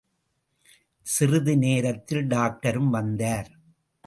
சிறிது நேரத்தில் டாக்டரும் வந்தார்.